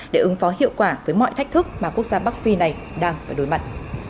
để ứng phó hiệu quả với mọi thách thức mà quốc gia bắc phi này đang phải đối mặt